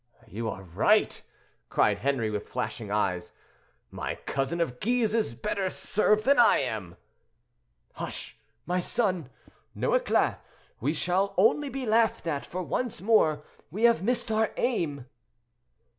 "You are right!" cried Henri, with flashing eyes; "my cousin of Guise is better served than I am!" "Hush, my son—no éclat; we shall only be laughed at, for once more we have missed our aim."